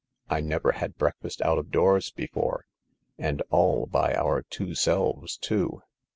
" I never had breakfast out of doors before — and all by our two selves, too.